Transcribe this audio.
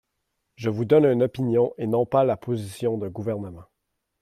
Je vous donne une opinion, et non pas la position d’un gouvernement.